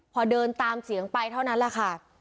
พอเดินตามเสียงไปเท่านั้นแหละค่ะ